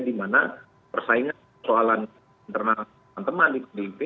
dimana persaingan soalan internal teman di pdip